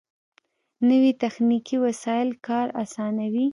نوې تخنیکي وسایل کار آسانوي